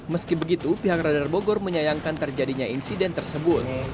meski begitu pihak radar bogor menyayangkan terjadinya insiden tersebut